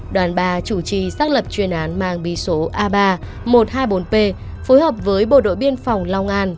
đoàn ba chủ trì xác lập chuyên án mang bí số a ba một trăm hai mươi bốn p phối hợp với bộ đội biên phòng long an